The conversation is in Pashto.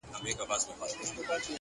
د زغم ځواک لوی هدفونه ممکن کوي